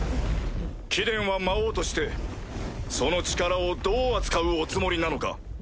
貴殿は魔王としてその力をどう扱うおつもりなのか。